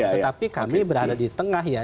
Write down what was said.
tetapi kami berada di tengah ya